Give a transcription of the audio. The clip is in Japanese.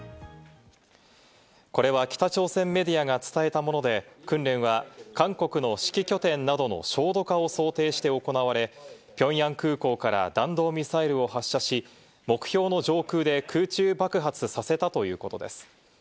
これは北朝鮮メディアが伝えたもので、訓練は韓国の指揮拠点などの焦土化を想定して行われ、ピョンヤン空港から弾道ミサイルを発射し、目標の上空で空中爆発させたということです。